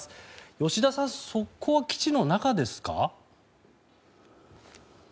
吉田さんそこは基地の中ですか？